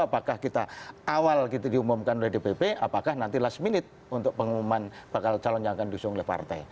apakah kita awal gitu diumumkan oleh dpp apakah nanti last minute untuk pengumuman bakal calon yang akan diusung oleh partai